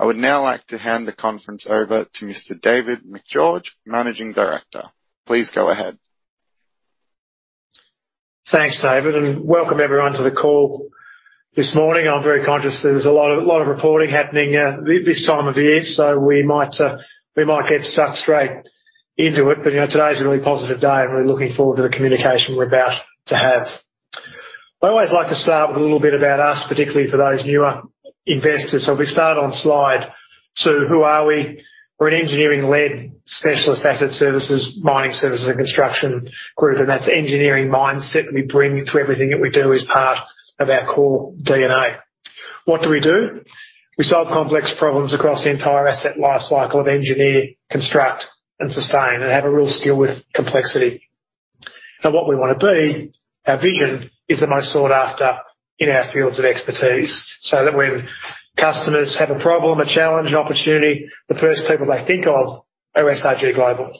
I would now like to hand the conference over to Mr. David Macgeorge, Managing Director. Please go ahead. Thanks, David, and welcome everyone to the call this morning. I'm very conscious that there is a lot of reporting happening this time of year, so we might get stuck straight into it. You know, today's a really positive day, and we're looking forward to the communication we're about to have. I always like to start with a little bit about us, particularly for those newer investors. If we start on slide two, who are we? We're an engineering-led specialist asset services, mining services, and construction group, and that's the engineering mindset that we bring to everything that we do as part of our core DNA. What do we do? We solve complex problems across the entire asset lifecycle of engineer, construct, and sustain, and have a real skill with complexity. Now, what we wanna be, our vision, is the most sought after in our fields of expertise, so that when customers have a problem, a challenge, an opportunity, the first people they think of are SRG Global.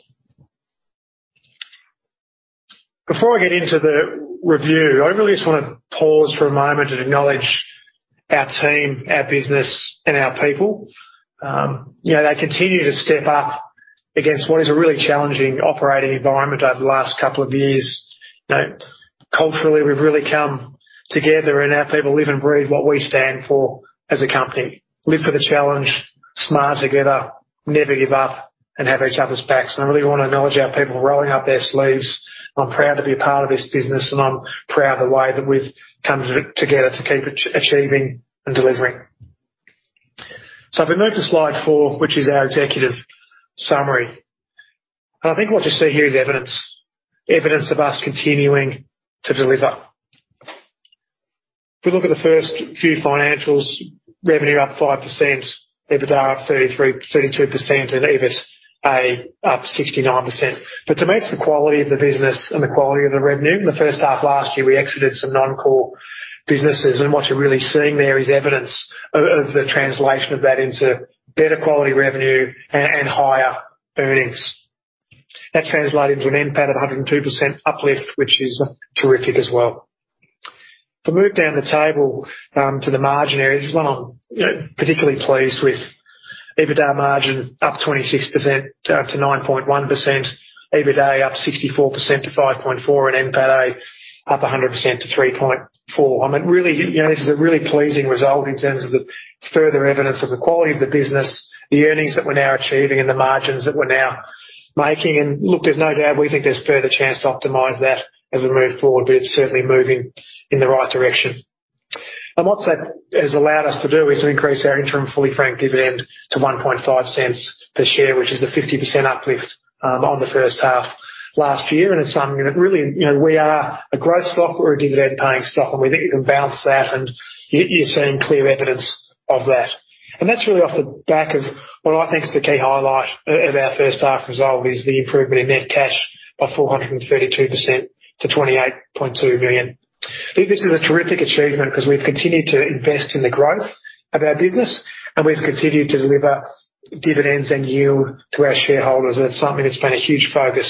Before I get into the review, I really just wanna pause for a moment and acknowledge our team, our business, and our people. You know, they continue to step up against what is a really challenging operating environment over the last couple of years. You know, culturally, we've really come together, and our people live and breathe what we stand for as a company. Live for the challenge, smile together, never give up, and have each other's backs. I really wanna acknowledge our people rolling up their sleeves. I'm proud to be a part of this business, and I'm proud of the way that we've come together to keep achieving and delivering. If we move to slide four, which is our executive summary. I think what you see here is evidence of us continuing to deliver. If we look at the first few financials, revenue is up 5%, EBITDA is up 32%, and EBITA is up 69%. To me, it's the quality of the business and the quality of the revenue. The first half of last year, we exited some non-core businesses, and what you're really seeing there is evidence of the translation of that into better quality revenue and higher earnings. That translated into an NPAT of 102% uplift, which is terrific as well. If we move down the table to the margin areas, this is one I'm, you know, particularly pleased with. EBITDA margin up 26% to 9.1%. EBITA up 64% to 5.4%, and NPAT up 100% to 3.4%. I mean, really, you know, this is a really pleasing result in terms of the further evidence of the quality of the business, the earnings that we're now achieving, and the margins that we're now making. Look, there's no doubt we think there's further chance to optimize that as we move forward, but it's certainly moving in the right direction. What that has allowed us to do is to increase our interim fully franked dividend to 0.015 per share, which is a 50% uplift on the first half of last year. It's something that really, you know, we are a growth stock, we're a dividend-paying stock, and we think you can balance that, and you're seeing clear evidence of that. That's really off the back of what I think is the key highlight of our first half result, which is the improvement in net cash of 432% to 28.2 million. I think this is a terrific achievement because we've continued to invest in the growth of our business, and we've continued to deliver dividends and yield to our shareholders. It's something that's been a huge focus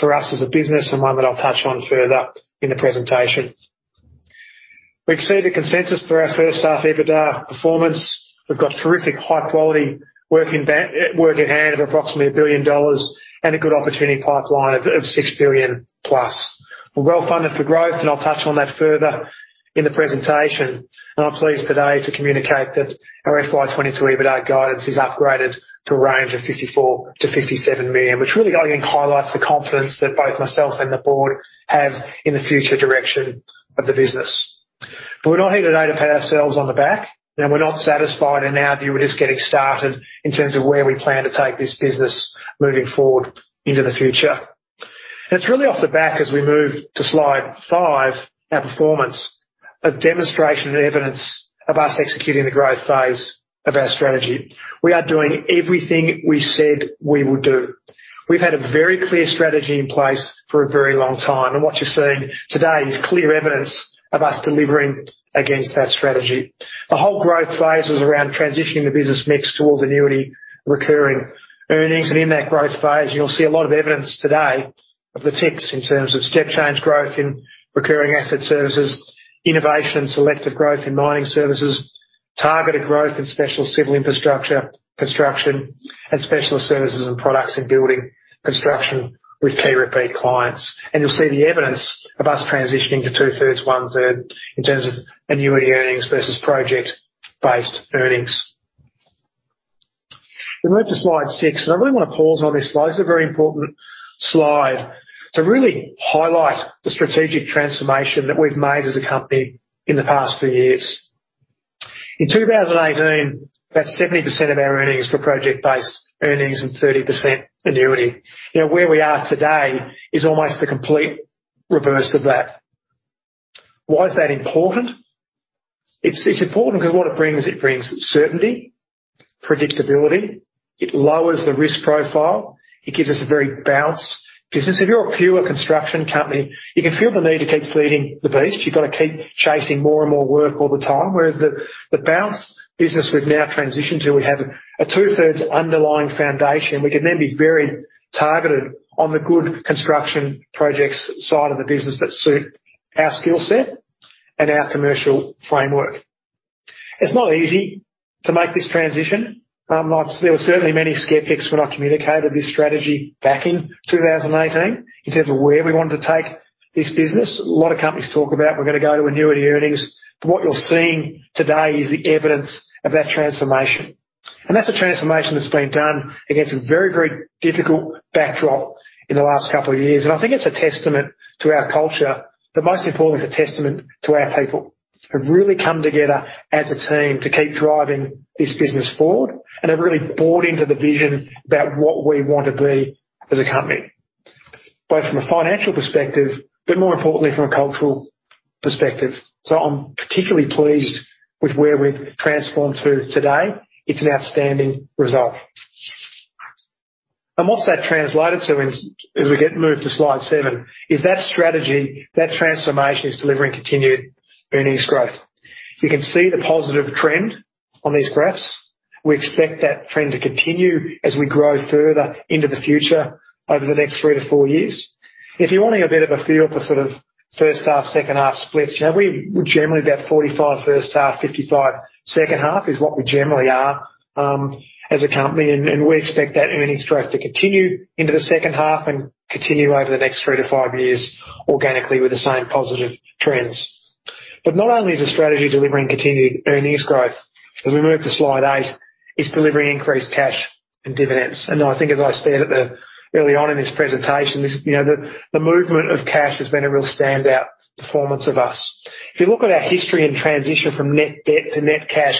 for us as a business and one that I'll touch on further in the presentation. We exceeded consensus for our first-half EBITDA performance. We've got terrific high-quality work in hand of approximately 1 billion dollars and a good opportunity pipeline of six billion plus. We're well-funded for growth, and I'll touch on that further in the presentation. I'm pleased today to communicate that our FY 2022 EBITDA guidance is upgraded to a range of 54 million-57 million, which, again, highlights the confidence that the board and I have in the future direction of the business. We're not here today to pat ourselves on the back, and we're not satisfied. In our view, we're just getting started in terms of where we plan to take this business moving forward into the future. It's really off the back as we move to slide five, our performance, a demonstration and evidence of us executing the growth phase of our strategy. We are doing everything we said we would do. We've had a very clear strategy in place for a very long time, and what you're seeing today is clear evidence of us delivering against that strategy. The whole growth phase was around transitioning the business mix towards annuity recurring earnings. In that growth phase, you'll see a lot of evidence today of the ticks in terms of step change growth in recurring asset services, innovation and selective growth in mining services, targeted growth in special civil infrastructure construction, and specialist services and products in building construction with key repeat clients. You'll see the evidence of us transitioning to two-thirds, one-third in terms of annuity earnings versus project-based earnings. If we move to slide six, and I really wanna pause on this slide. This is a very important slide to really highlight the strategic transformation that we've made as a company in the past few years. In 2018, about 70% of our earnings were project-based earnings and 30% annuity. You know, where we are today is almost the complete reverse of that. Why is that important? It's important 'cause what it brings is certainty, predictability, it lowers the risk profile, it gives us a very balanced business. If you're a pure construction company, you can feel the need to keep feeding the beast. You've got to keep chasing more and more work all the time. Whereas the balanced business we've now transitioned to has a two-thirds underlying foundation. We can then be very targeted on the good construction projects side of the business that suit our skill set and our commercial framework. It's not easy to make this transition. Obviously, there were certainly many skeptics when I communicated this strategy back in 2018 in terms of where we wanted to take this business. A lot of companies talk about we're gonna go to annuity earnings. What you're seeing today is the evidence of that transformation. That's a transformation that's been done against a very, very difficult backdrop in the last couple of years. I think it's a testament to our culture, but most importantly, it's a testament to our people who've really come together as a team to keep driving this business forward. They've really bought into the vision about what we want to be as a company, both from a financial perspective, and more importantly, from a cultural perspective. I'm particularly pleased with where we've transformed to today. It's an outstanding result. What's that translated to, as we move to slide seven, is that strategy, that transformation is delivering continued earnings growth. You can see the positive trend on these graphs. We expect that trend to continue as we grow further into the future over the next three to four years. If you want to get a bit of a feel for sort of first half, second half splits, you know, we're generally about 45 first half, 55 second half, is what we generally are, as a company. We expect that earnings growth will continue into the second half and continue over the next three to five years organically with the same positive trends. Not only is the strategy delivering continued earnings growth, as we move to slide eight, but it is also delivering increased cash and dividends. I think, as I stated earlier on in this presentation, you know, the movement of cash has been a real standout performance for us. If you look at our history and transition from net debt to net cash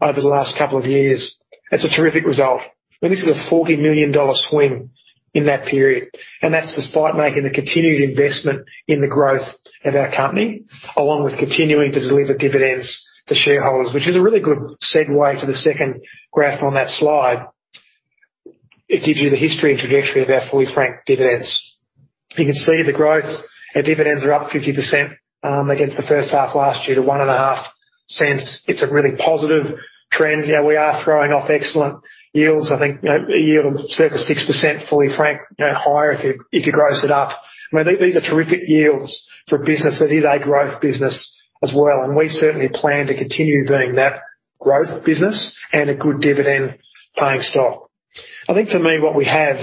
over the last couple of years, that's a terrific result. I mean, this is an 40 million dollar swing in that period, and that's despite making the continued investment in the growth of our company, along with continuing to deliver dividends to shareholders. Which is a really good segue to the second graph on that slide. It gives you the history and trajectory of our fully franked dividends. You can see the growth. Our dividends are up 50% against the first half last year to 1.5 cents. It's a really positive trend. You know, we are throwing off excellent yields. I think, you know, a yield of 6% fully franked, you know, higher if you gross it up. I mean, these are terrific yields for a business that is a growth business as well. We certainly plan to continue being a growth business and a good dividend-paying stock. I think for me, what we have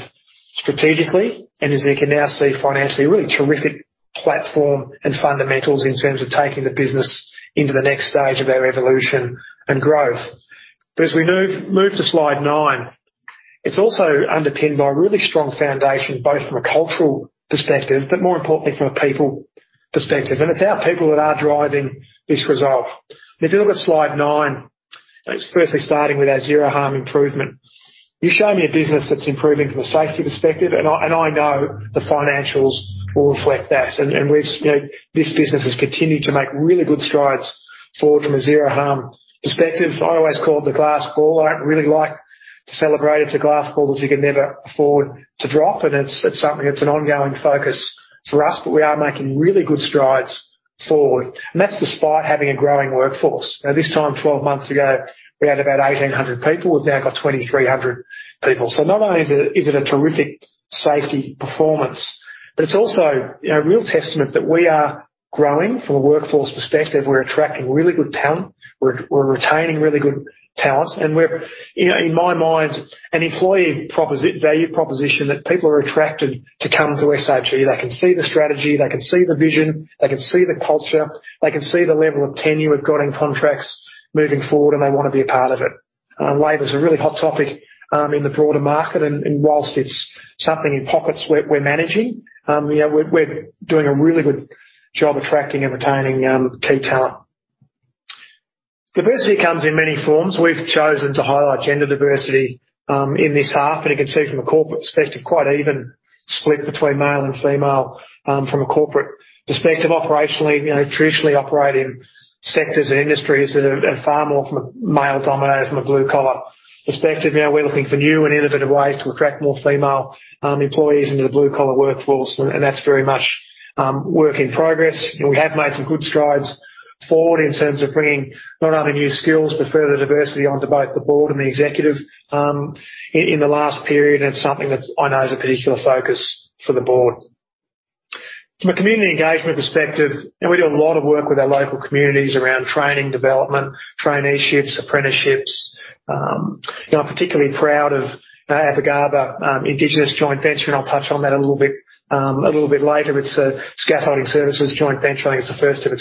strategically, and as you can now see financially, is a really terrific platform and fundamentals in terms of taking the business into the next stage of our evolution and growth. As we move to slide nine, it's also underpinned by a really strong foundation, both from a cultural perspective, but more importantly from a people perspective, and it's our people that are driving this result. If you look at slide nine, it starts with our zero-harm improvement. You show me a business that's improving from a safety perspective, and I know the financials will reflect that. We've, you know, this business has continued to make really good strides forward from a zero-harm perspective. I always call it the glass ball. I don't really like to celebrate. It's a glass ball that we can never afford to drop, and it's something that's an ongoing focus for us, but we are making really good strides forward. That's despite having a growing workforce. Now, this time 12 months ago, we had about 1,800 people. We've now got 2,300 people. Not only is it a terrific safety performance, but it's also a real testament that we are growing from a workforce perspective. We're attracting really good talent. We're retaining really good talent. We're, you know, in my mind, an employee value proposition that people are attracted to come to SRG. They can see the strategy, they can see the vision, they can see the culture, they can see the level of tenure we've got in contracts moving forward, and they wanna be a part of it. Labor's a really hot topic in the broader market. Whilst it's something in pockets we're managing, you know, we're doing a really good job attracting and retaining key talent. Diversity comes in many forms. We've chosen to highlight gender diversity in this half. You can see from a corporate perspective, quite an even split between male and female from a corporate perspective. Operationally, you know, we traditionally operate in sectors or industries that are far more male-dominated from a blue-collar perspective. Now we're looking for new and innovative ways to attract more female employees into the blue-collar workforce, and that's very much a work in progress. You know, we have made some good strides forward in terms of bringing not only new skills, but further diversity onto both the board and the executive, in the last period, and it's something that I know is a particular focus for the board. From a community engagement perspective, you know, we do a lot of work with our local communities around training development, traineeships, and apprenticeships. You know, I'm particularly proud of the Bugarrba Indigenous joint venture, and I'll touch on that a little bit later. It's a scaffolding services joint venture. I think it's the first of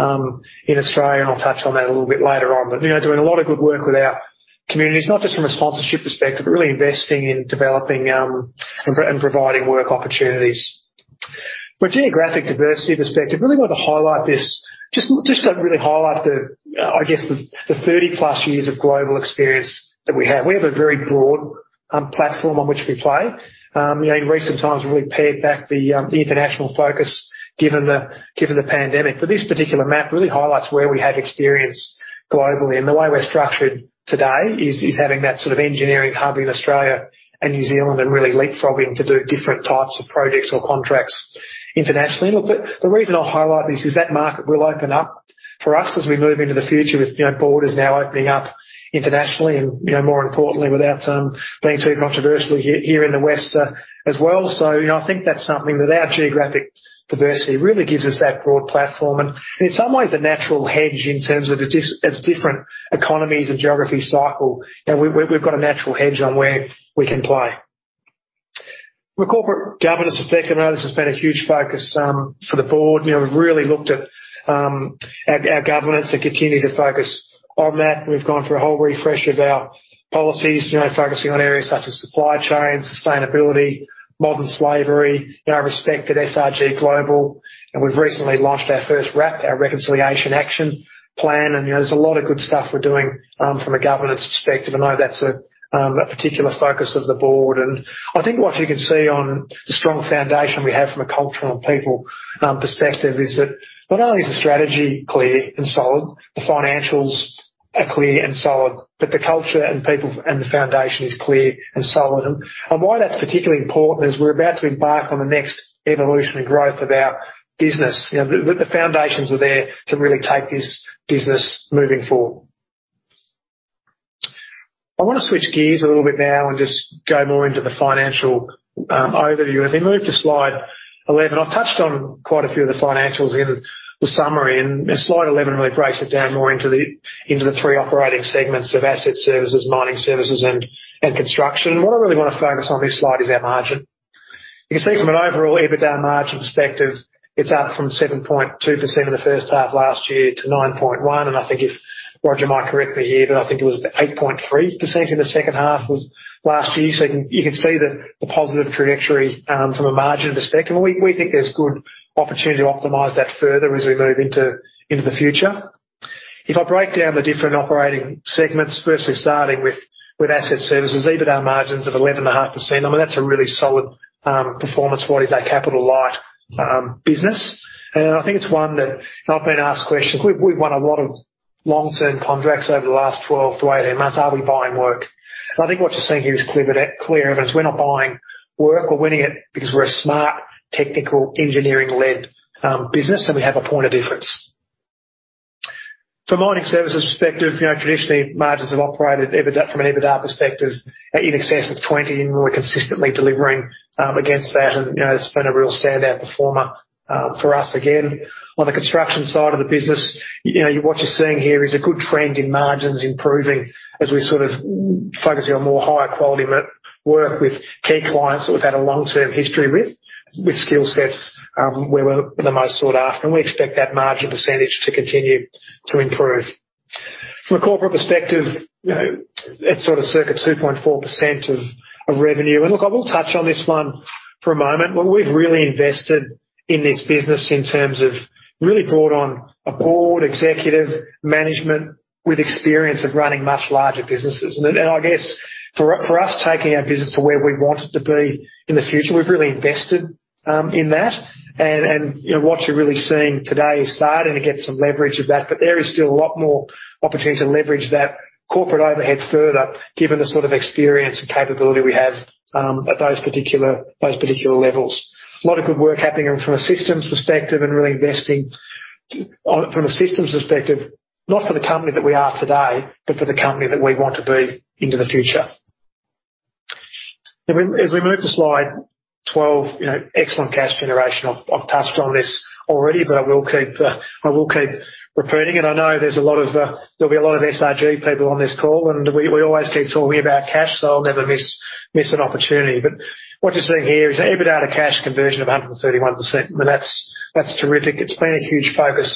its kind in Australia, and I'll touch on that a little bit later on. You know, doing a lot of good work with our communities, not just from a sponsorship perspective, but really investing in developing and providing work opportunities. From a geographic diversity perspective, I really want to highlight this. Just to really highlight the, I guess, the 30-plus years of global experience that we have. We have a very broad platform on which we play. You know, in recent times, we've really pared back the international focus given the pandemic. This particular map really highlights where we have experience globally. The way we're structured today is having that sort of engineering hub in Australia and New Zealand, and really leapfrogging to do different types of projects or contracts internationally. Look, the reason I highlight this is that the market will open up for us as we move into the future with, you know, borders now opening up internationally and, you know, more importantly, without being too controversial here in the West as well. You know, I think that's something that our geographic diversity really gives us, that broad platform and in some ways a natural hedge in terms of different economies and geographic cycles. You know, we've got a natural hedge on where we can play. For the corporate governance aspect, I know this has been a huge focus for the board. You know, we've really looked at our governance and continue to focus on that. We've gone through a whole refresh of our policies, you know, focusing on areas such as supply chain, sustainability, and modern slavery. You know, I respect that SRG Global, and we've recently launched our first RAP, our Reconciliation Action Plan. You know, there's a lot of good stuff we're doing from a governance perspective. I know that's a particular focus of the board. I think what you can see on the strong foundation we have from a culture and people perspective is that not only is the strategy clear and solid, the financials are clear and solid, but the culture and people and the foundation are clear and solid. Why that's particularly important is that we're about to embark on the next evolution and growth of our business. You know, the foundations are there to really take this business moving forward. I wanna switch gears a little bit now and just go more into the financial overview. If we move to slide 11. I've touched on quite a few of the financials in the summary, and slide 11 really breaks it down more into the three operating segments: Asset Services, Mining Services, and Construction. What I really wanna focus on in this slide is our margin. You can see from an overall EBITDA margin perspective that it's up from 7.2% in the first half of last year to 9.1%. I think if Roger might correct me here, but I think it was 8.3% in the second half of last year. You can see the positive trajectory from a margin perspective. We think there's a good opportunity to optimize that further as we move into the future. If I break down the different operating segments, firstly starting with Asset Services, the EBITDA margins of 11.5%. I mean, that's a really solid performance for what is a capital-light business. I think it's one that I've been asked questions. We've won a lot of long-term contracts over the last 12-18 months. Are we buying work? I think what you're seeing here is clear evidence we're not buying work. We're winning it because we're a smart, technical, engineering-led business, and we have a point of difference. From a Mining Services perspective, you know, traditionally margins have operated from an EBITDA perspective in excess of 20%, and we're consistently delivering against that. You know, it's been a real standout performer for us again. On the construction side of the business, you know, what you're seeing here is a good trend in margins improving as we sort of focus on higher quality work with key clients that we've had a long-term history with, skill sets where we're the most sought after, and we expect that margin percentage to continue to improve. From a corporate perspective, you know, it's sort of circa 2.4% of revenue. Look, I will touch on this one for a moment. We've really invested in this business in terms of really brought on a board of executive management with experience of running much larger businesses. I guess for us, taking our business to where we want it to be in the future, we've really invested in that. You know, what you're really seeing today is starting to get some leverage of that, but there is still a lot more opportunity to leverage that corporate overhead further, given the sort of experience and capability we have at those particular levels. A lot of good work is happening from a systems perspective and really investing from a systems perspective, not for the company that we are today, but for the company that we want to be in the future. If we move to slide 12, you know, excellent cash generation. I've touched on this already, but I will keep repeating. I know there'll be a lot of SRG people on this call, and we always keep talking about cash, so I'll never miss an opportunity. What you're seeing here is an EBITDA to cash conversion of 131%. I mean, that's terrific. It's been a huge focus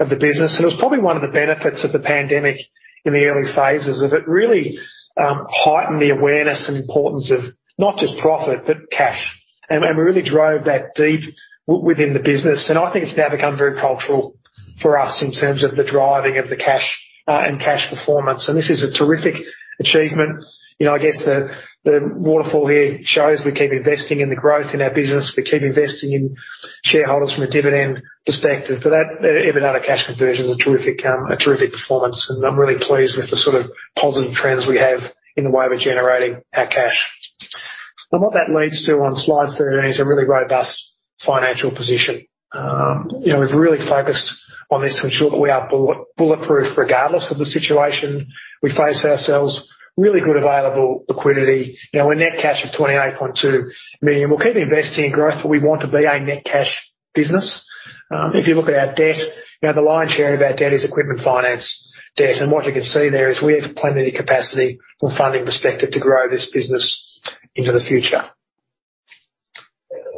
of the business, and it was probably one of the benefits of the pandemic in the early phases of it, which really heightened the awareness and importance of not just profit, but cash. And we really drove that deep within the business. And I think it's now become very cultural for us in terms of driving the cash and cash performance. And this is a terrific achievement. I guess the waterfall here shows we keep investing in the growth of our business. We keep investing in shareholders from a dividend perspective. For that, EBITDA to cash conversion is a terrific, a terrific performance, and I'm really pleased with the sort of positive trends we have in the way we're generating our cash. What that leads to on slide 13 is a really robust financial position. You know, we've really focused on this to ensure that we are bulletproof regardless of the situation we face ourselves. Really good available liquidity. You know, we're net cash of 28.2 million. We'll keep investing in growth, but we want to be a net cash business. If you look at our debt, you know, the lion's share of our debt is equipment finance debt. What you can see there is that we have plenty of capacity from a funding perspective to grow this business into the future.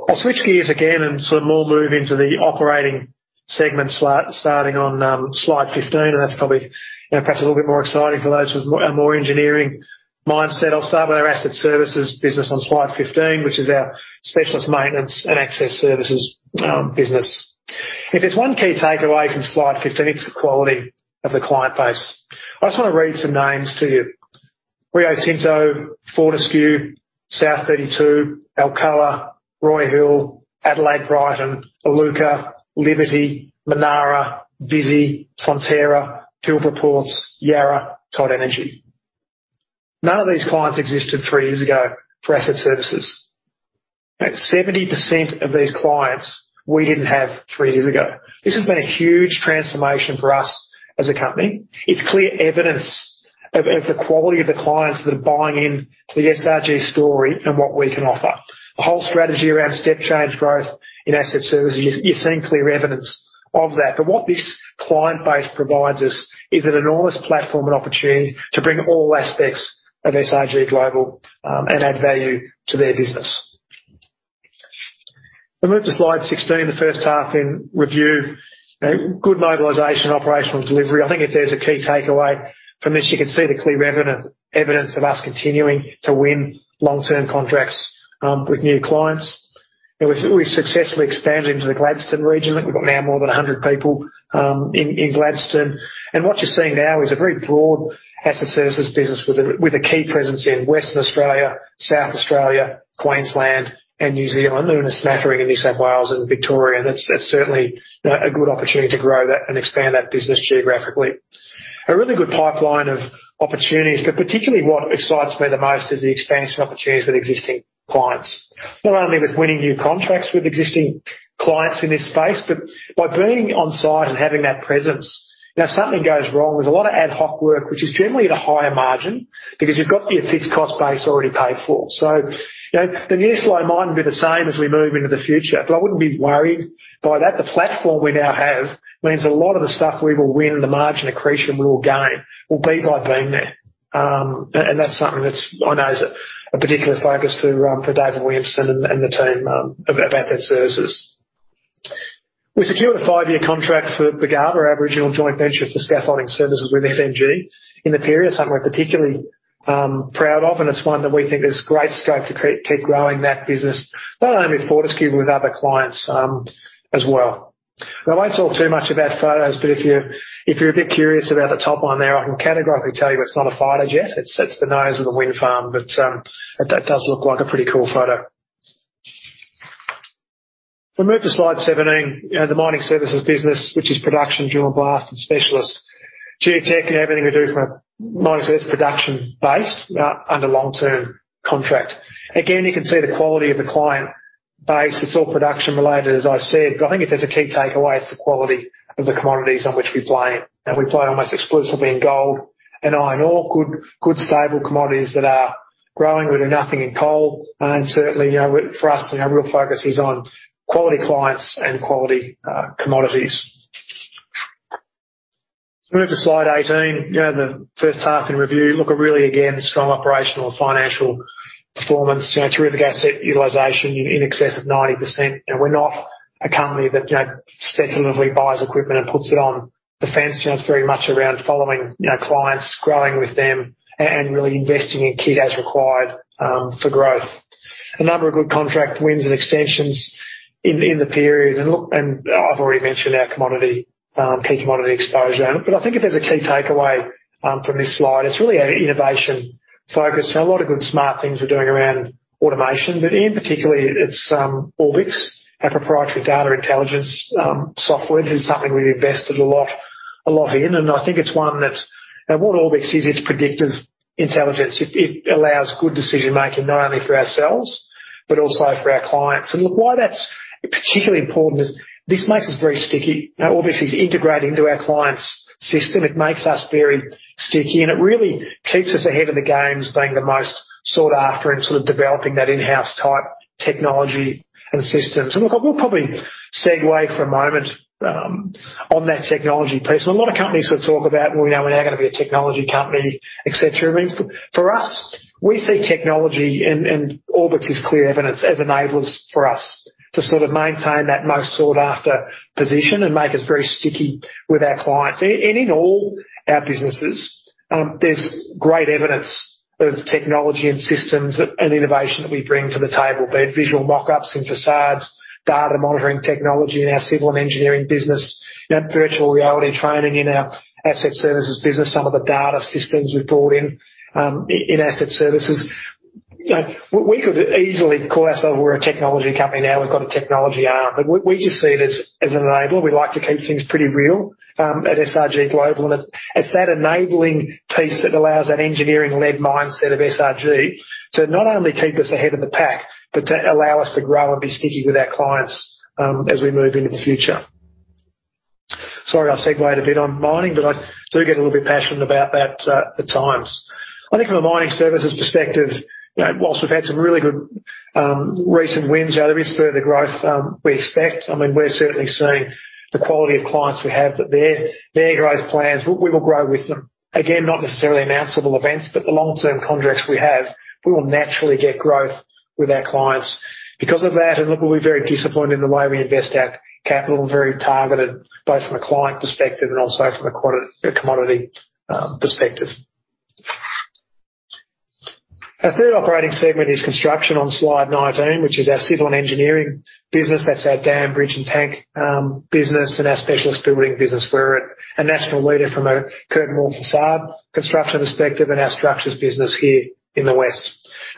I'll switch gears again and sort of move more into the operating segment starting on slide 15, and that's probably, you know, perhaps a little bit more exciting for those with a more engineering mindset. I'll start with our asset services business on slide 15, which is our specialist maintenance and access services business. If there's one key takeaway from slide 15, it's the quality of the client base. I just wanna read some names to you. Rio Tinto, Fortescue, South32, Alcoa, Roy Hill, Adelaide Brighton, Iluka, Liberty, Minara, Visy, Fonterra, Pilbara Ports, Yara, Todd Energy. None of these clients existed three years ago for asset services. 70% of these clients we didn't have three years ago. This has been a huge transformation for us as a company. It's clear evidence of the quality of the clients that are buying into the SRG story and what we can offer. The whole strategy around step change growth in asset services, you're seeing clear evidence of that. What this client base provides us is an enormous platform and opportunity to bring all aspects of SRG Global and add value to their business. If we move to slide 16, the first half is in review. You know, good mobilization, operational delivery. I think if there's a key takeaway from this, you can see the clear relevant evidence of us continuing to win long-term contracts with new clients. You know, we've successfully expanded into the Gladstone region. We've now got more than 100 people in Gladstone. What you're seeing now is a very broad asset services business with a key presence in Western Australia, South Australia, Queensland, and New Zealand, and even a smattering in New South Wales and Victoria. That's certainly a good opportunity to grow that and expand that business geographically. A really good pipeline of opportunities, but particularly what excites me the most is the expansion opportunities with existing clients, not only with winning new contracts with existing clients in this space, but also by being on site and having that presence. Now, if something goes wrong, there's a lot of ad hoc work which is generally at a higher margin because you've got your fixed cost base already paid for. You know, the new slow mightn't be the same as we move into the future, but I wouldn't be worried by that. The platform we now have means a lot of the stuff we will win, and the margin accretion we will gain will be by being there. That's something I know is a particular focus for David Williamson and the team of Asset Services. We secured a five-year contract for Bugarrba, our Aboriginal joint venture for scaffolding services with FMG in the period. Something we're particularly proud of, and it's one that we think there's great scope to keep growing that business, not only with Fortescue, but with other clients, as well. Now, I won't talk too much about photos, but if you're a bit curious about the top one there, I can categorically tell you it's not a fighter jet. It's the nose of the wind farm. But that does look like a pretty cool photo. If we move to slide 17. You know, the mining services business, which is production, drill and blast, specialist geotech, and everything we do from a mine's production base, under long-term contract. Again, you can see the quality of the client base. It's all production-related, as I said. I think if there's a key takeaway, it's the quality of the commodities in which we play. We play almost exclusively in gold and iron ore. Good stable commodities that are growing. We do nothing in coal. Certainly, you know, for us, you know, our real focus is on quality clients and quality commodities. If we move to slide 18. You know, the first half in review. Look, again, a really strong operational financial performance. You know, terrific asset utilization in excess of 90%. You know, we're not a company that, you know, speculatively buys equipment and puts it on the fence. You know, it's very much around following, you know, clients, growing with them, and really investing in kit as required for growth. A number of good contract wins and extensions in the period. Look, I've already mentioned our key commodity exposure. I think if there's a key takeaway from this slide, it's really our innovation focus. A lot of good, smart things we're doing around automation. In particular, it's Orbix, our proprietary data intelligence software. This is something we've invested a lot in. I think it's one that. What Orbix is, it's predictive intelligence. It allows good decision-making, not only for ourselves but also for our clients. Look, why that's particularly important is that it makes us very sticky. Now, Orbix is integrated into our client's system. It makes us very sticky, and it really keeps us ahead of the game as being the most sought-after in terms of developing that in-house type technology and systems. Look, we'll probably segue for a moment on that technology piece. A lot of companies sort of talk about, "Well, you know, we're now gonna be a technology company," et cetera. I mean, for us, we see technology, and Orbix is clear evidence, as enablers for us to sort of maintain that most sought-after position and make us very sticky with our clients. And in all our businesses, there's great evidence of technology, systems, and innovation that we bring to the table. Be it visual mock-ups and facades, or data monitoring technology in our civil and engineering business. You know, virtual reality training in our asset services business. Some of the data systems we've brought in for asset services. You know, we could easily call ourselves a technology company now. We've got a technology arm. But we just see it as an enabler. We like to keep things pretty real at SRG Global. It's that enabling piece that allows that engineering-led mindset of SRG to not only keep us ahead of the pack, but to allow us to grow and be sticky with our clients as we move into the future. Sorry, I segued a bit on mining, but I do get a little bit passionate about that at times. I think from a mining services perspective, you know, while we've had some really good recent wins, you know, there is further growth we expect. I mean, we're certainly seeing the quality of clients we have, and their growth plans, we will grow with them. Again, not necessarily announceable events, but the long-term contracts we have, we will naturally get growth with our clients because of that. Look, we'll be very disciplined in the way we invest our capital. Very targeted, both from a client perspective and also from a commodity perspective. Our third operating segment is construction on slide 19, which is our civil and engineering business. That's our dam, bridge, and tank business and our specialist building business. We're a national leader from a curtain wall façade construction perspective and our structures business here in the west.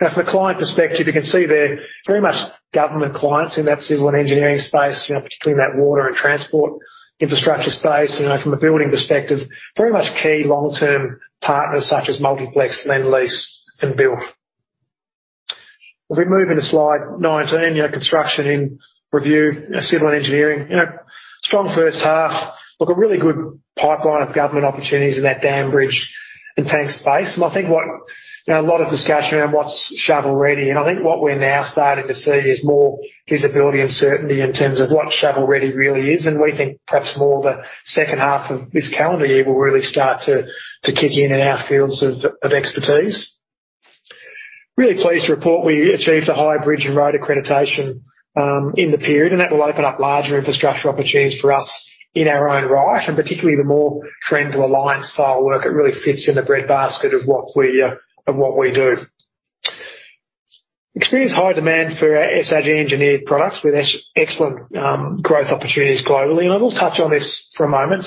Now, from a client perspective, you can see they're very much government clients in that civil and engineering space, you know, particularly in that water and transport infrastructure space. You know, from a building perspective, very much key long-term partners such as Multiplex, Lendlease, and Built. If we move into slide 19, you know, construction in review, civil and engineering. You know, strong first half. Look, a really good pipeline of government opportunities in that dam, bridge, and tank space. I think what, you know, a lot of discussion around what's shovel-ready, and I think what we're now starting to see is more visibility and certainty in terms of what shovel-ready really is. We think perhaps the second half of this calendar year will really start to kick in in our fields of expertise. Really pleased to report we achieved a highway, bridge, and road accreditation in the period, and that will open up larger infrastructure opportunities for us in our own right, and particularly the trend to alliance-style work. It really fits in the bread basket of what we do. Experienced high demand for our SRG engineered products with excellent growth opportunities globally, and I'll touch on this for a moment.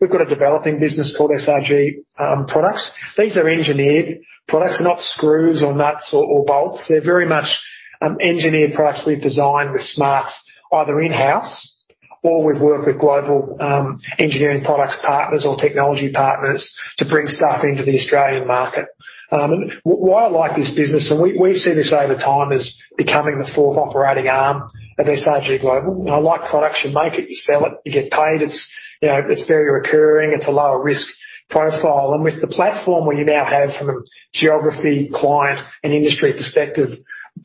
We've got a developing business called SRG Products. These are engineered products, not screws or nuts or bolts. They're very much engineered products we've designed with smarts, either in-house or we've worked with global engineering products partners or technology partners to bring stuff into the Australian market. I like this business, and we see this over time as becoming the fourth operating arm of SRG Global. You know, I like products. You make it, you sell it, you get paid. It's, you know, it's very recurring. It's a lower risk profile. With the platform we now have from a geography, client, and industry perspective,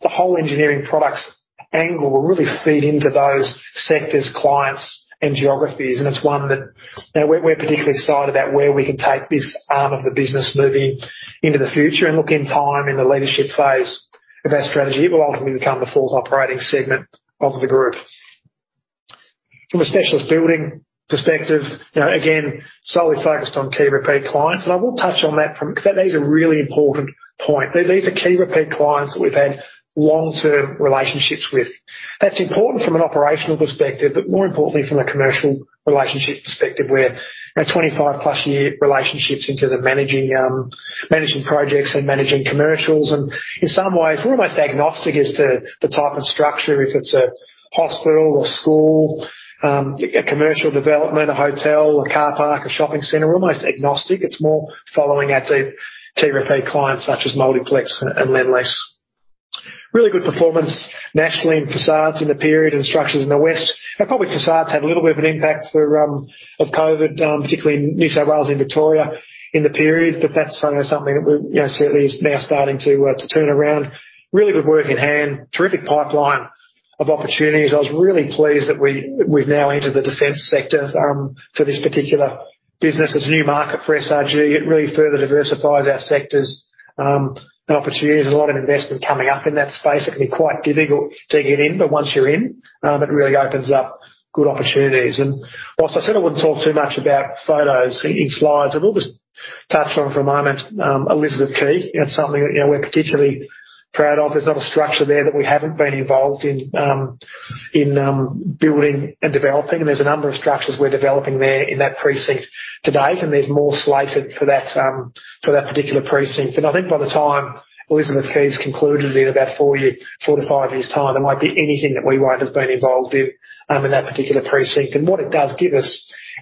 the whole engineering products angle will really feed into those sectors, clients, and geographies. It's one that, you know, we're particularly excited about where we can take this arm of the business moving into the future. Look, in time, in the leadership phase of our strategy, it will ultimately become the fourth operating segment of the group. From a specialist building perspective, you know, again, solely focused on key repeat clients, and I will touch on that because that is a really important point. These are key repeat clients that we've had long-term relationships with. That's important from an operational perspective, but more importantly from a commercial relationship perspective where we have 25+ year relationships in managing projects and managing commercials. In some ways, we're almost agnostic as to the type of structure. If it's a hospital or school, a commercial development, a hotel, a car park, a shopping center, we're almost agnostic. It's more likely to follow our key repeat clients such as Multiplex and Lendlease. Really good performance nationally in facades in the period and structures in the west. Probably facades had a little bit of an impact from COVID, particularly in New South Wales and Victoria in the period, but that's something that we you know, certainly is now starting to turn around. Really good work in hand. Terrific pipeline of opportunities. I was really pleased that we've now entered the defense sector for this particular business. It's a new market for SRG. It really further diversifies our sectors and opportunities. A lot of investment is coming up in that space. It can be quite difficult to get in, but once you're in, it really opens up good opportunities. While I said I wouldn't talk too much about photos in slides, I will just touch on it for a moment. Elizabeth Quay, you know, something that, you know, we're particularly proud of. There's not a structure there that we haven't been involved in building and developing. There are a number of structures we're developing there in that precinct to date, and there's more slated for that particular precinct. I think by the time Elizabeth Quay is concluded in about four to five years' time, there won't be anything that we won't have been involved in that particular precinct. What it does give us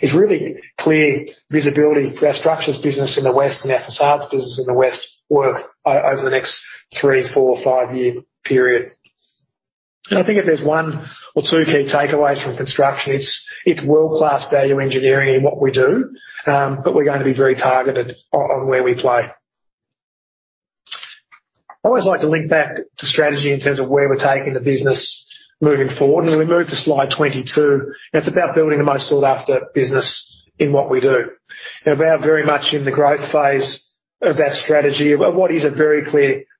is really clear visibility for our structures business in the west and our facades business in the west over the next three, four, five-year period. I think if there's one or two key takeaways from construction, it's world-class value engineering in what we do, but we're gonna be very targeted on where we play. I always like to link back to strategy in terms of where we're taking the business moving forward. If we move to slide 22, it's about building the most sought-after business in what we do. We're very much in the growth phase of that strategy.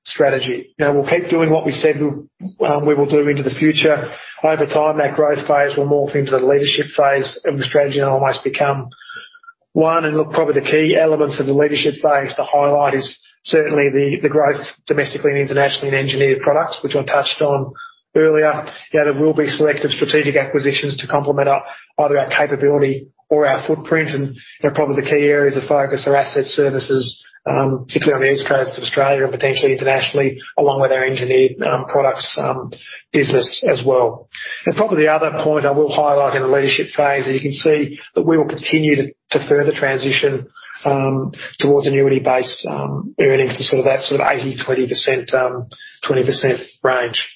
Well, what is a very clear strategy? You know, we'll keep doing what we said we'll do in the future. Over time, that growth phase will morph into the leadership phase of the strategy and almost become one. Look, probably the key elements of the leadership phase to highlight are certainly the growth domestically and internationally in engineered products, which I touched on earlier. You know, there will be selective strategic acquisitions to complement either our capability or our footprint. You know, probably the key areas of focus are asset services, particularly on the East Coast of Australia and potentially internationally, along with our engineered products business as well. Probably the other point I will highlight in the leadership phase, and you can see that we will continue to further transition towards annuity-based earnings to sort of that sort of 80%-20% range.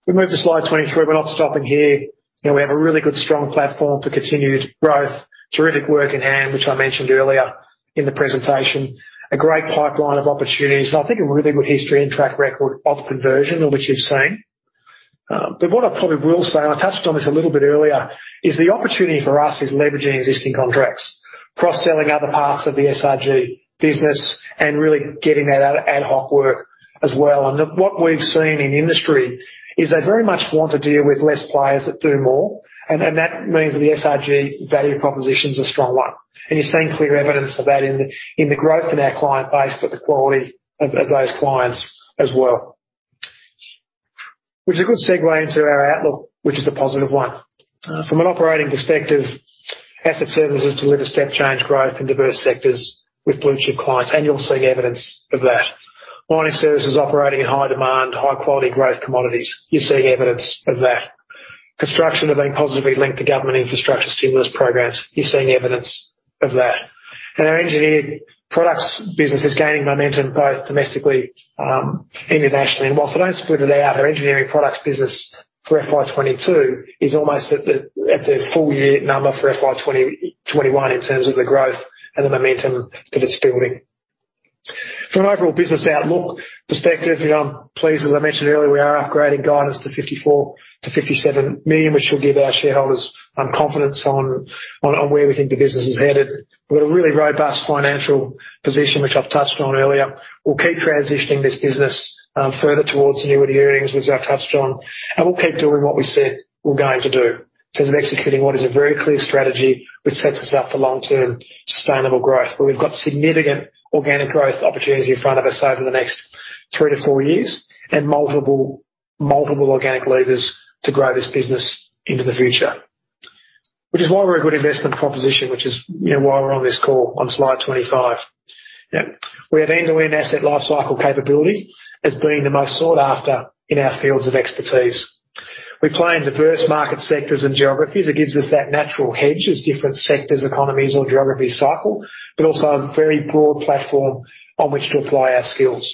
If we move to slide 23, we're not stopping here. You know, we have a really good, strong platform for continued growth. Terrific work in hand, which I mentioned earlier in the presentation. A great pipeline of opportunities, and I think a really good history and track record of conversion, of which you've seen. What I probably will say, and I touched on this a little bit earlier, is that the opportunity for us is leveraging existing contracts, cross-selling other parts of the SRG business, and really getting that out of ad hoc work as well. What we've seen in industry is they very much want to deal with fewer players that do more, and that means that the SRG value proposition's a strong one. You're seeing clear evidence of that in the growth in our client base, but the quality of those clients as well. This is a good segue into our outlook, which is a positive one. From an operating perspective, Asset Services delivers step-change growth in diverse sectors with blue-chip clients, and you'll see evidence of that. Mining Services are operating in high-demand, high-quality growth commodities. You're seeing evidence of that. Construction has been positively linked to government infrastructure stimulus programs. You're seeing evidence of that. Our engineered products business is gaining momentum both domestically and internationally. While I don't split it out, our engineering products business for FY 2022 is almost at the full-year number for FY 2021 in terms of the growth and the momentum that it's building. From an overall business outlook perspective, you know, I'm pleased, as I mentioned earlier, we are upgrading guidance to 54 million-57 million, which will give our shareholders confidence in where we think the business is headed. We've got a really robust financial position, which I've touched on earlier. We'll keep transitioning this business further towards annuity earnings, which I've touched on, and we'll keep doing what we said we're going to do in terms of executing what is a very clear strategy that sets us up for long-term sustainable growth. We've got a significant organic growth opportunity in front of us over the next three to four years and multiple organic levers to grow this business into the future. Which is why we're a good investment proposition, which is, you know, why we're on this call on slide 25. You know, we have end-to-end asset lifecycle capability as being the most sought after in our fields of expertise. We play in diverse market sectors and geographies. It gives us that natural hedge as different sectors, economies, or geographies cycle, but also a very broad platform on which to apply our skills.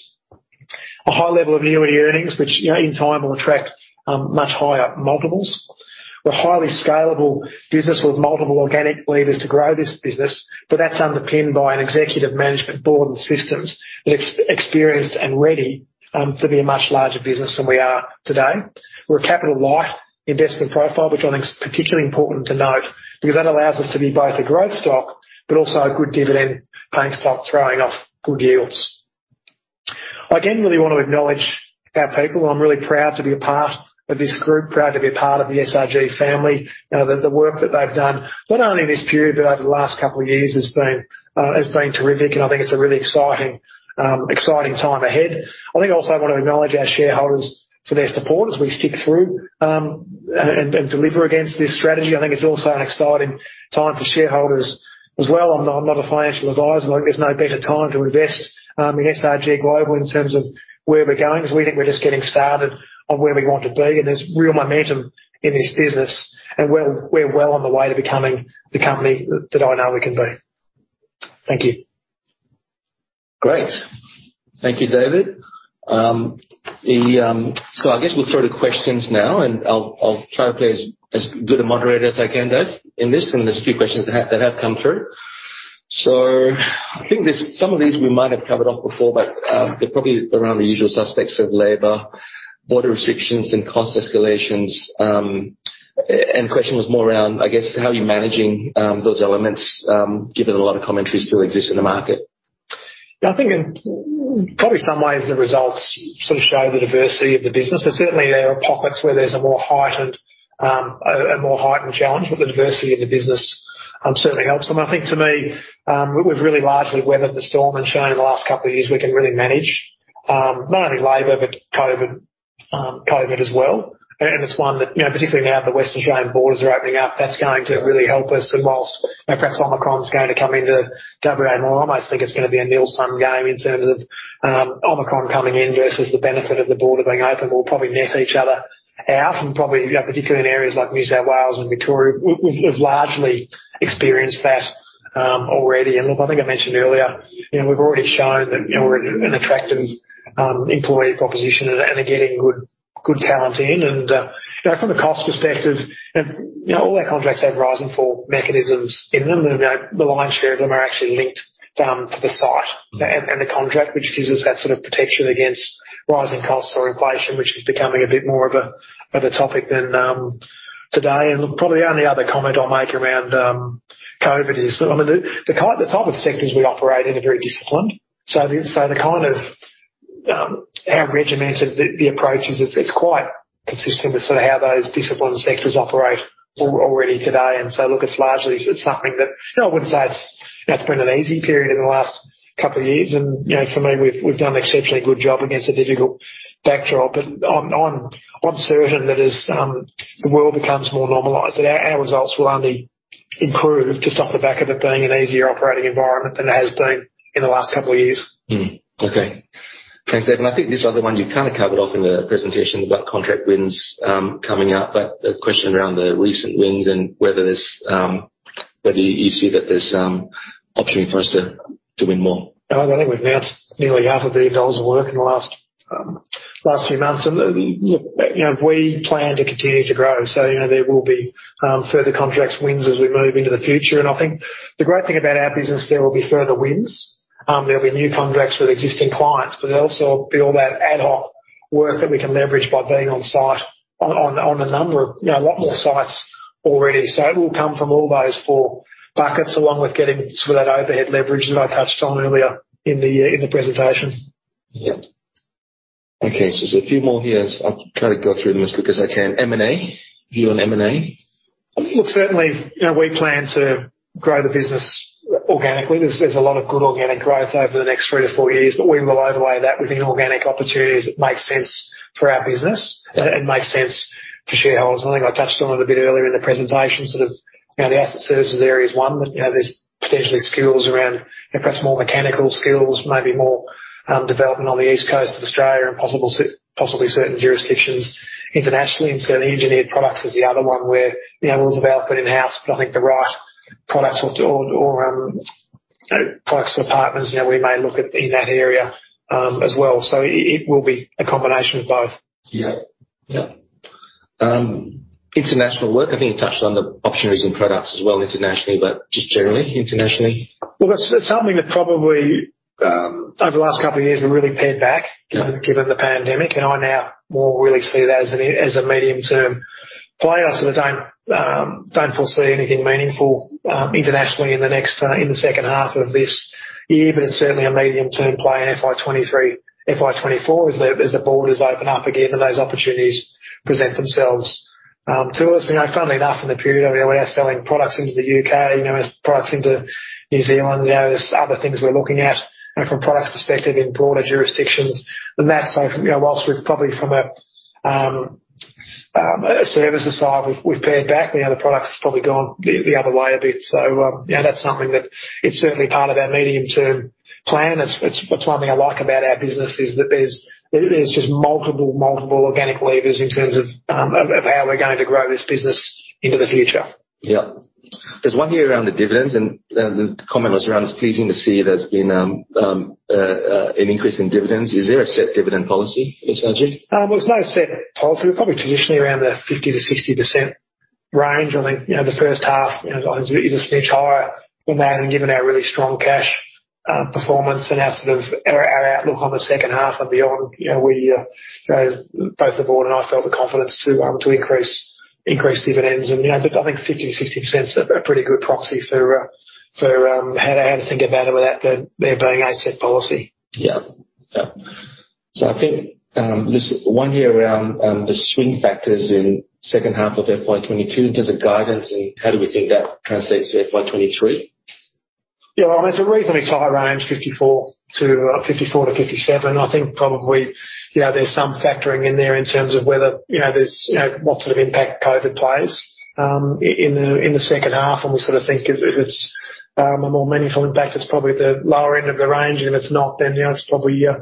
A high level of annuity earnings, which, you know, in time will attract much higher multiples. We're a highly scalable business with multiple organic levers to grow this business, but that's underpinned by an executive management board and systems that are experienced and ready to be a much larger business than we are today. We're a capital-light investment profile, which I think is particularly important to note because that allows us to be both a growth stock and a good dividend-paying stock, throwing off good yields. Again, I really want to acknowledge our people. I'm really proud to be a part of this group, proud to be a part of the SRG family. You know, the work that they've done, not only in this period, but over the last couple of years, has been terrific, and I think it's a really exciting time ahead. I think I also want to acknowledge our shareholders for their support as we stick through and deliver against this strategy. I think it's also an exciting time for shareholders as well. I'm not a financial advisor, but there's no better time to invest in SRG Global in terms of where we're going, 'cause we think we're just getting started on where we want to be, and there's real momentum in this business, and we're well on the way to becoming the company that I know we can be. Thank you. Great. Thank you, David. I guess we'll throw two questions now, and I'll try to play as good a moderator as I can, Dave, in this. There are a few questions that have come through. I think there are some of these we might have covered off before, but they're probably around the usual suspects of labor, border restrictions, and cost escalations. The question was more around, I guess, how you're managing those elements, given a lot of commentary still exists in the market. I think in probably some ways the results sort of show the diversity of the business. There are certainly pockets where there's a more heightened challenge, but the diversity of the business certainly helps. I think to me, we've really largely weathered the storm and shown in the last couple of years that we can really manage, not only labor, but COVID as well. It's one that, you know, particularly now the Western Australian borders are opening up, that's going to really help us. While you know, perhaps Omicron is going to come into WA, and I almost think it's gonna be a zero-sum game in terms of Omicron coming in versus the benefit of the border being open. We'll probably net each other out, and particularly in areas like New South Wales and Victoria, we've largely experienced that already. Look, I think I mentioned earlier, you know, we've already shown that, you know, we're an attractive employee proposition and are getting good talent in. You know, from a cost perspective, you know, all our contracts have rise and fall mechanisms in them. The lion's share of them is actually linked to the site and the contract, which gives us that sort of protection against rising costs or inflation, which is becoming a bit more of a topic than today. Look, probably only other comment I'll make around COVID is that, I mean, the type of sectors we operate in are very disciplined. The kind of regimented approach is. It's quite consistent with sort of how those disciplined sectors operate already today. Look, it's largely something that you know. I wouldn't say it's been an easy period in the last couple of years. You know, for me, we've done an exceptionally good job against a difficult backdrop. I'm certain that as the world becomes more normalized, our results will only improve, just off the back of it being an easier operating environment than it has been in the last couple of years. Okay. Thanks, David. I think this other one you've kind of covered off in the presentation about contract wins coming up, but a question around the recent wins and whether you see that there's some opportunity for us to win more. I think we've announced nearly half a billion dollars of work in the last few months. Look, you know, we plan to continue to grow. You know, there will be further contract wins as we move into the future. I think the great thing about our business, there will be further wins, there'll be new contracts with existing clients, but there'll also be all that ad hoc work that we can leverage by being on site on several, you know, a lot more sites already. It will come from all those four buckets, along, with getting some of that overhead leverage that I touched on earlier in the presentation. Yeah. Okay, there are a few more here. I'll try to go through them as quickly as I can. M&A. View on M&A? Well, certainly, you know, we plan to grow the business organically. There's a lot of good organic growth over the next three to four years, but we will overlay that with inorganic opportunities that make sense for our business. Yeah. Makes sense for shareholders. I think I touched on it a bit earlier in the presentation, sort of, you know, the Asset Services area is one that, you know, there's potentially skills around perhaps more mechanical skills, maybe more, development on the East Coast of Australia, and possibly certain jurisdictions internationally. Certainly, Engineered Products is the other one where, you know, there's development in-house, but I think the right products or, you know, products and partners, you know, we may look at in that area, as well. It will be a combination of both. Yeah. Yep. International work, I think you touched on the opportunities in products as well internationally, but just generally internationally. Well, that's something that, probably over the last couple of years, we really pared back. Yeah. Given the pandemic, I now really see that as a medium-term play. I sort of don't foresee anything meaningful internationally in the next, in the second half of this year. It's certainly a medium-term play in FY 2023, FY 2024, as the borders open up again and those opportunities present themselves to us. You know, funnily enough, in the period we are selling products into the U.K., you know, there's products into New Zealand, you know, there's other things we're looking at, you know, from a product perspective in broader jurisdictions than that. You know, while we're probably from a services side, we've pared back, you know, the products probably gone the other way a bit. You know, that's something that's certainly part of our medium-term plan. That's one thing I like about our business: there are just multiple organic levers in terms of how we're going to grow this business into the future. Yeah. There's one here around the dividends, and the comment was around; it's pleasing to see there's been an increase in dividends. Is there a set dividend policy for SRG? There's no set policy. Probably traditionally around the 50%-60% range. I think, you know, the first half, you know, is a smidge higher than that. Given our really strong cash performance and our sort of outlook on the second half and beyond, you know, we, you know, both the board and I felt the confidence to increase dividends and, you know. I think 50-60% is a pretty good proxy for how to think about it without there being a set policy. I think this one here, around the swing factors in the second half of FY 2022, to the guidance, and how do we think that translates to FY 2023? Yeah. Well, it's a reasonably tight range, 54-57. I think probably, you know, there's some factoring in there in terms of whether, you know, there's, you know, what sort of impact COVID plays in the second half. We sort of think that if it's a more meaningful impact, it's probably the lower end of the range. If it's not, then, you know, it's probably, you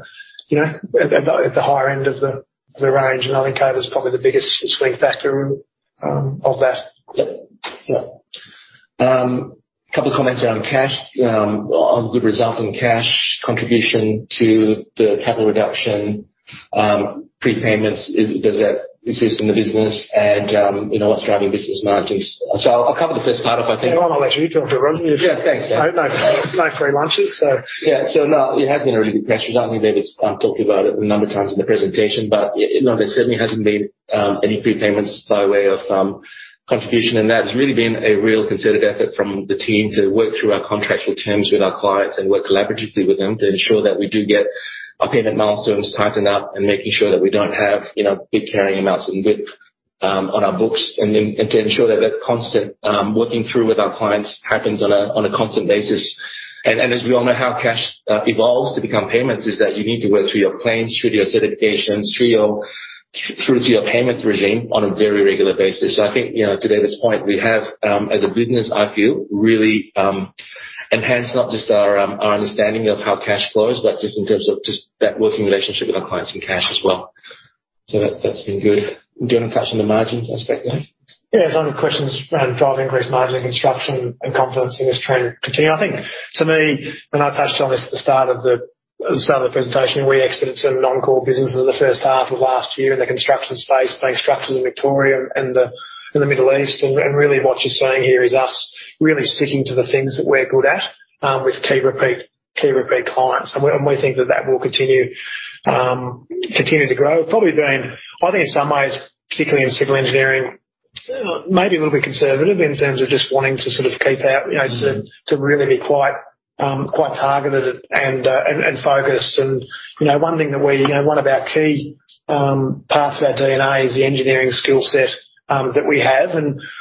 know, at the higher end of the range. I think COVID's probably the biggest swing factor of that. Yep. A couple of comments around cash. On a good result in cash contribution to the capital reduction, prepayments. Does that exist in the business? You know, what's driving business margins? I'll cover the first part I think. No, I'll let you field it, Roger Lee. Yeah. Thanks. No, no free lunches, so. Yeah. No, it has been a really good pressure point. David's talked about it a number of times in the presentation, but you know, there certainly haven't been any prepayments by way of contribution. That's really been a real concerted effort from the team to work through our contractual terms with our clients and work collaboratively with them to ensure that we do get our payment milestones tightened up and make sure that we don't have, you know, big carrying amounts in WIP on our books. Then, to ensure that constant working with our clients happens on a constant basis. As we all know, how cash evolves to become payments is that you need to work through your claims, through your certifications, through your payment regime on a very regular basis. I think, you know, to David's point, we have, as a business, I feel really enhanced not just our understanding of how cash flows, but just in terms of that working relationship with our clients and cash as well. That, that's been good. Do you want to touch on the margins aspect then? Yeah. There are a lot of questions around driving increased margin in construction, and confidence in this trend continues. I think for me, I touched on this at the start of the presentation, we exited some non-core businesses in the first half of last year in the construction space, being structures in Victoria and in the Middle East. Really, what you're seeing here is us really sticking to the things that we're good at, with key repeat clients. We think that will continue to grow. We've probably been, I think in some ways, particularly in civil engineering, maybe a little bit conservative in terms of just wanting to sort of keep our, you know- Mm-hmm. To really be quite targeted and focused. You know, one thing that we you know one of our key parts of our DNA is the engineering skill set that we have.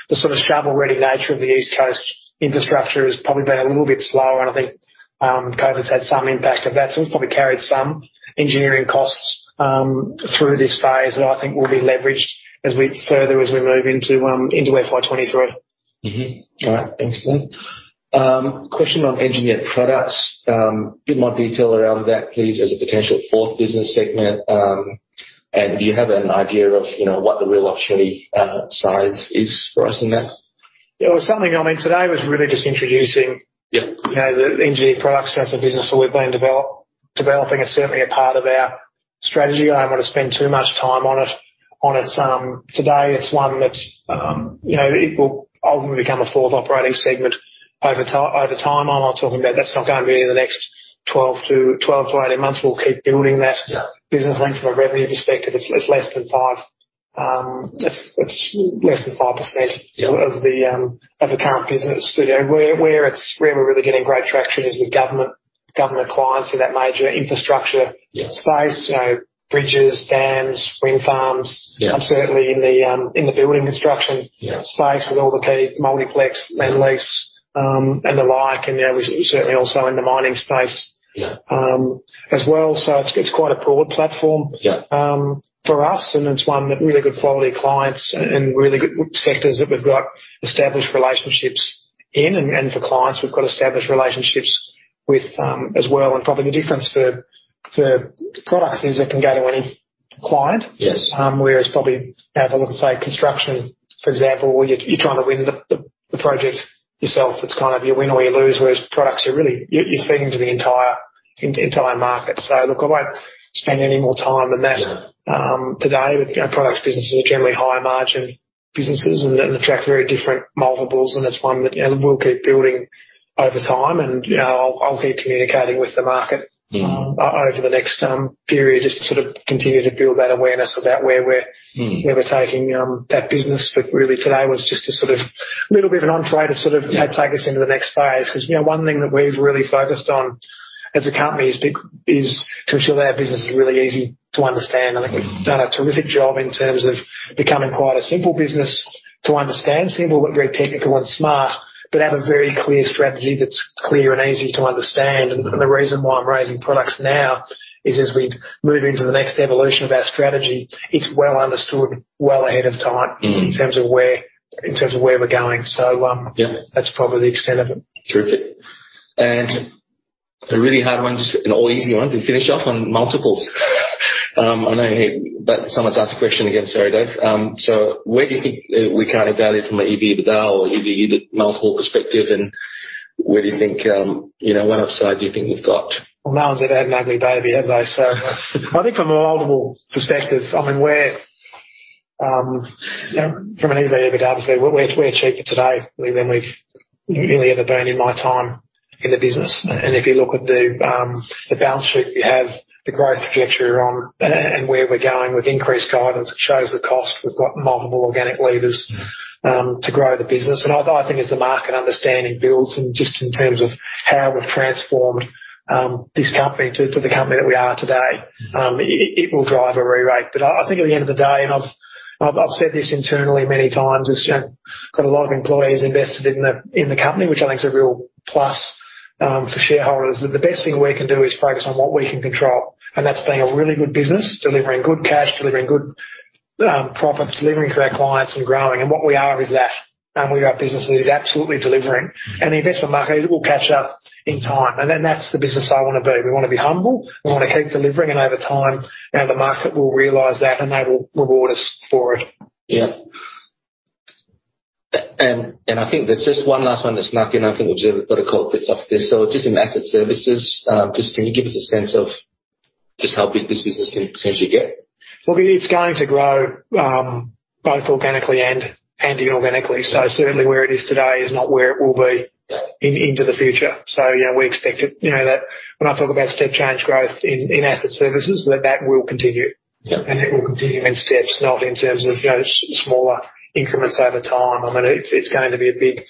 The sort of shovel-ready nature of the East Coast infrastructure has probably been a little bit slower, and I think COVID has had some impact on that. We've probably carried some engineering costs through this phase that I think will be leveraged as we move into FY 2023. Mm-hmm. All right. Thanks, Dave. Question on engineered products. A bit more detail around that, please, as a potential fourth business segment. Do you have an idea of, you know, what the real opportunity size is for us in that? Yeah. Well, I mean, today was really just introducing- Yeah. You know, the engineered products as a business that we've been developing. It's certainly a part of our strategy. I don't want to spend too much time on it today. It's one that, you know, will ultimately become a fourth operating segment over time. I'm not talking about that. That's not going to be in the next 12-18 months. We'll keep building that. Yeah. Business link from a revenue perspective. It's less than 5%. Yeah. -of the current business. You know, where we're really getting great traction is with government clients in that major infrastructure- Yeah You know, bridges, dams, wind farms. Yeah. I'm certainly in the building construction. Yeah In the space with all the key Multiplex, Lendlease, and the like, and, you know, we're certainly also in the mining space. Yeah It's quite a broad platform. Yeah For us, it's one that has really good quality clients and really good sectors that we've got established relationships in, and for clients we've got established relationships with, as well. Probably the difference for products is that it can go to any client. Yes. Whereas, probably, have a look at, say, construction, for example, where you're trying to win the project yourself. It's kind of you win, or you lose, whereas with products, you're really feeding the entire market. Look, I won't spend any more time on that. Yeah Today, you know, product businesses are generally higher margin businesses and attract very different multiples, and it's one that, you know, we'll keep building over time. You know, I'll keep communicating with the market. Mm-hmm Over the next period, just to sort of continue to build that awareness about where we're Mm Where are we taking that business? Really, today was just a little bit of an entree to sort of- Yeah Take us into the next phase. 'Cause, you know, one thing that we've really focused on as a company is to ensure our business is really easy to understand. I think we've done a terrific job in terms of becoming quite a simple business to understand. Simple, but very technical and smart, it has a very clear strategy that's clear and easy to understand. The reason why I'm raising products now is that, as we move into the next evolution of our strategy, it's well understood well ahead of time. Mm-hmm In terms of where we're going. Yeah That's probably the extent of it. Terrific. A really hard one, just an easy one to finish off on multiples. I know, but someone's asked a question again. Sorry, Dave. Where do you think we can evaluate from an EBITDA or EV/EBIT multiple perspective, and where do you think what upside we've got? Well, no one's ever had an ugly baby, have they? I think from a multiple perspective, I mean, we're, you know, from an EBITDA perspective, we're cheaper today than we've really ever been in my time in the business. If you look at the balance sheet, we have the growth trajectory we're on, and where we're going with increased guidance, it shows the cost. We've got multiple organic levers to grow the business. I think as the market understanding builds, and just in terms of how we've transformed this company to the company that we are today, it will drive a re-rate. I think at the end of the day, I've said this internally many times, you know, we've got a lot of employees invested in the company, which I think is a real plus for shareholders. The best thing we can do is focus on what we can control, and that's being a really good business, delivering good cash, delivering good profits, delivering for our clients, and growing. What we are is that. We are a business that is absolutely delivering. The investment market will catch up in time. Then that's the business I wanna be. We wanna be humble. We wanna keep delivering, and over time, you know, the market will realize that, and they will reward us for it. I think there's just one last one that snuck in. I think we'll just have to call it quits after this. In Asset Services, can you give us a sense of just how big this business can potentially get? Well, it's going to grow both organically and inorganically. Certainly, where it is today is not where it will be- Yeah Into the future. You know, we expect it, you know, that when I talk about step change growth in asset services, that will continue. Yeah. It will continue in steps, not in terms of, you know, smaller increments over time. I mean, it's going to be a big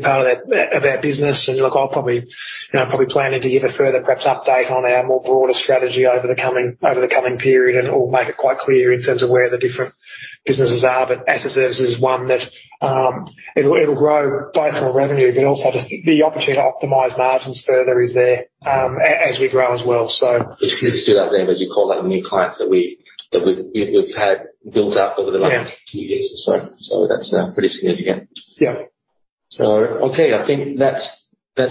part of our business. Look, I'll probably, you know, plan to give a further update on our broader strategy over the coming period, and I'll make it quite clear in terms of where the different businesses are. Asset Services is one that will grow both in revenue and also just the opportunity to optimize margins further is there, as we grow as well. Just do that then. Would you call that the new clients that we've had built up over the last- Yeah A few years or so? That's pretty significant. Yeah. Okay, I think that's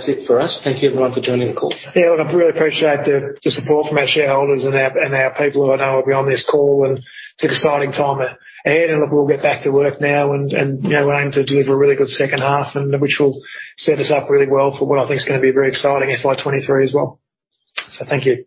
it for us. Thank you, everyone, for joining the call. Yeah. Look, I really appreciate the support from our shareholders and our people, who I know will be on this call, and it's an exciting time ahead. Look, we'll get back to work now, and you know, we're aiming to deliver a really good second half, and which will set us up really well for what I think is gonna be a very exciting FY 2023 as well. Thank you.